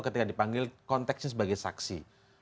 ketika dipanggil konteksnya sebagai saksi